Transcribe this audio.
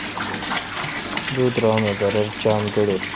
دو ترا ام اے°برر چام گڑیل۔